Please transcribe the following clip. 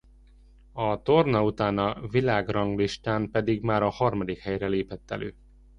A torna után a világranglistán pedig már a harmadik helyre lépett elő.